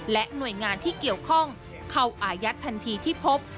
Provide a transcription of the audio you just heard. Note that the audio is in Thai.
และหน่วยงานที่เกี่ยวข้องเข้าอายัดทันทีที่พบ